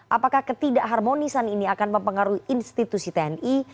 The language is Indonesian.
apakah ketidakharmonisan ini akan mempengaruhi institusi tni